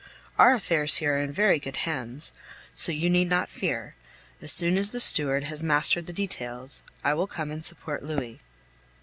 Our affairs here are in very good hands; so you need not fear; as soon as the steward has mastered the details, I will come and support Louis.